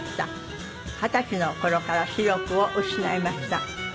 二十歳の頃から視力を失いました。